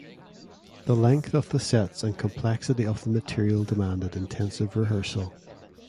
The length of the sets and complexity of the material demanded intensive rehearsal.